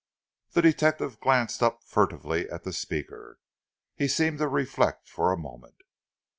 The detective glanced up furtively at the speaker. He seemed to reflect for a moment.